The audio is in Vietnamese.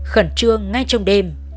khẩn trương ngay trong đêm